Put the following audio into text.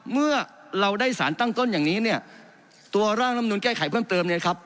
เมื่อเราได้สารตั้งต้นอย่างนี้เนี่ยตัวร่างลำนุนแก้ไขเพิ่มเติมเนี่ยครับ